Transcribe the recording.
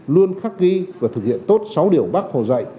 luôn khắc ghi và thực hiện tốt sáu điều bác hồ dạy